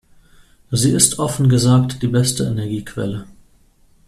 Sie ist, offen gesagt, die beste Energiequelle.